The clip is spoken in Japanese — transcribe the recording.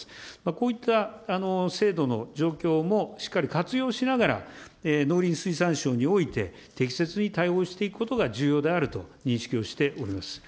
こういった制度の状況もしっかり活用しながら、農林水産省において、適切に対応していくことが重要であると認識をしております。